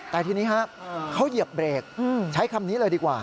แต่ทีนี้ฮะเขาเหยียบเบรกใช้คำนี้เลยดีกว่า